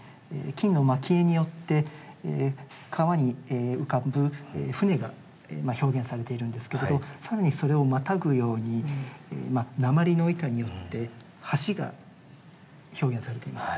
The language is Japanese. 金の蒔絵によって川に浮かぶ舟が表現されているんですけれど更にそれをまたぐように鉛の板によって橋が表現されています。